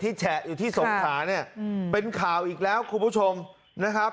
แฉะอยู่ที่สงขาเนี่ยเป็นข่าวอีกแล้วคุณผู้ชมนะครับ